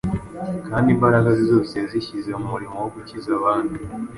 kandi imbaraga ze zose yazishyize mu murimo wo gukiza abandi.